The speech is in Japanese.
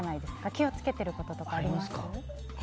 気を付けてることとかあります？